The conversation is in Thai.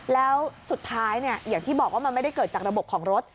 แล้วสุดท้ายอย่างที่บอกว่ามันไม่ได้เกิดจากระบบของรถ